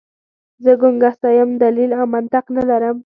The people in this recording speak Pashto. زه ګنګسه یم، دلیل او منطق نه لرم.